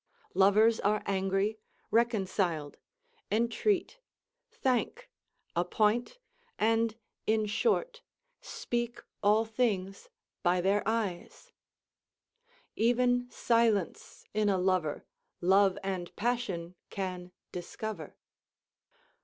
Lovers are angry, reconciled, intreat, thank, appoint, and, in short, speak all things by their eyes: "Even silence in a lover Love and passion can discover."